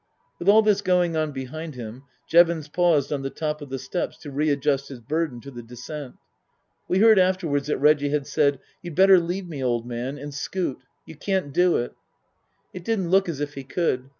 With all this going on behind him Jevons paused on the top of the steps to readjust his burden to the descent. We heard afterwards that Reggie had said, " You'd better leave me, old man, and scoot. You can't do it." It didn't look as if he could.